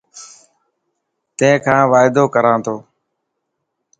تين کان وعدو ڪران تو.